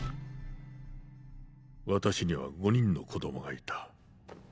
私には５人の子供がいた。